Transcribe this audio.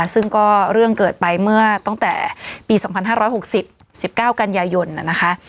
ซึ่งก็เรื่องเกิดไปเมื่อตั้งแต่ปีสองพันห้าร้อยหกสิบสิบเก้ากันยายนอ่ะนะคะ